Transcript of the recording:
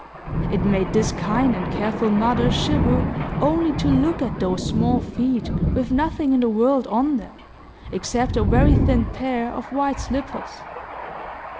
It made this kind and careful mother shiver only to look at those small feet, with nothing in the world on them, except a very thin pair of white slippers.